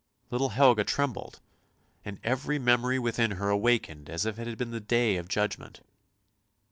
Little Helga trembled, and every memory within her was awakened as if it had been the day of Judgment.